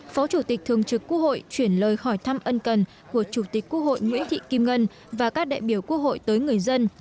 phó chủ tịch thường trực quốc hội chuyển lời khỏi thăm ân cần của chủ tịch quốc hội nguyễn thị kim ngân và các đại biểu quốc hội tới người dân